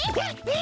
え？